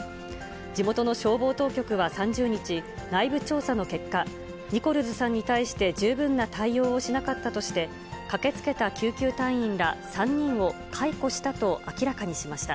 地元の消防当局は３０日、内部調査の結果、ニコルズさんに対して十分な対応をしなかったとして、駆けつけた救急隊員ら３人を解雇したと明らかにしました。